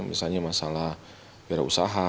misalnya masalah perusahaan